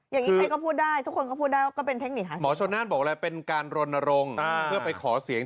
อย่างนี้ใครก็พูดได้ทุกคนก็พูดได้ว่าเป็นเทคนิคหาเสียง